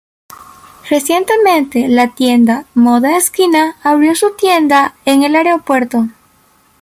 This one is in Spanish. Recientemente, la tienda "Moda esquina", abrió su tienda en el aeropuerto.